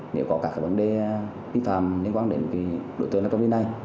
nếu có các vấn đề vi phạm liên quan đến đối tượng của công ty này